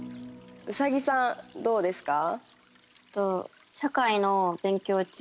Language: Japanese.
うさぎさんどうですか？